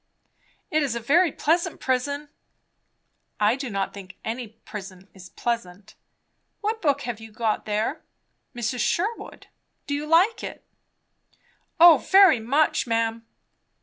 "It is a very pleasant prison." "I do not think any prison is pleasant. What book have you got there? Mrs. Sherwood. Do you like it?" "O very much, ma'am!"